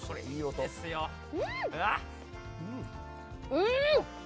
うん！